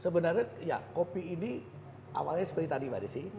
sebenarnya ya kopi ini awalnya seperti tadi mbak desi